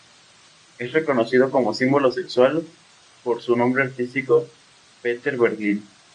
Es reconocido como símbolo sexual por su nombre artístico Peter Berlín.